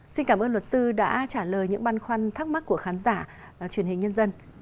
xin cảm ơn luật sư đã trả lời những băn khoăn thắc mắc của khán giả truyền hình nhân dân